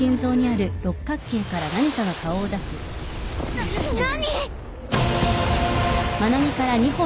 な何！？